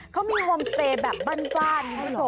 เขามีโฮมสเตยแบบบ้าน